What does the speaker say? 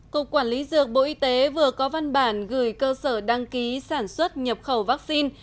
cục quản lý dược bộ y tế vừa có văn bản gửi cơ sở đăng ký sản xuất nhập khẩu vaccine